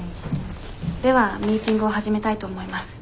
ではミーティングを始めたいと思います。